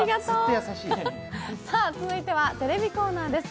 続いてはテレビコーナーです。